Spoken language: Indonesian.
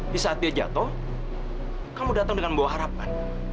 di saat dia jatuh kamu datang dengan membawa harapan